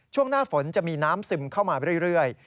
ช่วงหน้าฝนจะมีน้ำซึมเข้ามาเรื่อย